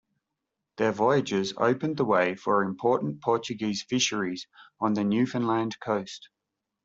Their voyages opened the way for important Portuguese fisheries on the Newfoundland coast.